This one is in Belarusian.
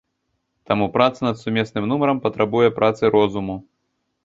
Таму праца над сумесным нумарам патрабуе працы розуму.